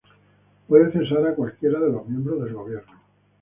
Puede cesar a cualquiera de los miembros del Gobierno.